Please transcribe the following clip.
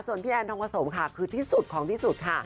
ส่วนพี่แอนทองผสมค่ะคือที่สุดของที่สุดค่ะ